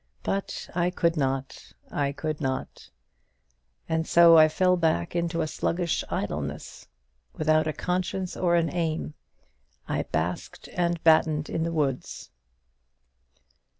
But I could not I could not; and so I fell back into a sluggish idleness, 'without a conscience or an aim.' I 'basked and battened in the woods.'"